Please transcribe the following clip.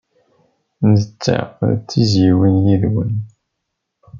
Netta d tizzyiwin yid-wen.